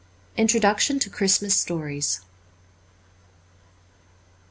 Introduction to ' Christmas Stories.'